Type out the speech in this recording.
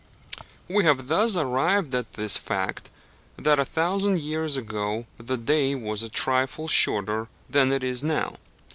We have thus arrived at this fact, that a thousand years ago the day was a trifle shorter than it is now.